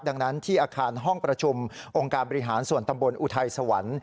ดังนั้นที่อาคารห้องประชุมองค์การบริหารส่วนตำบลอุทัยสวรรค์